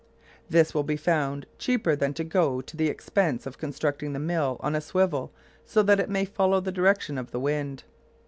This will be found cheaper than to go to the expense of constructing the mill on a swivel so that it may follow the direction of the wind.